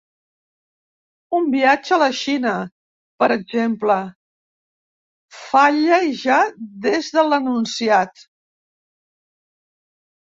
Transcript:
Un viatge a la Xina, per exemple, falla ja des de l'enunciat.